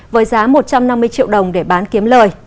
với giá một trăm năm mươi triệu đồng để bán kiếm lời